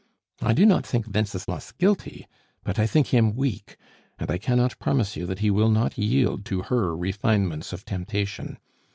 "I do not think Wenceslas guilty; but I think him weak, and I cannot promise that he will not yield to her refinements of temptation.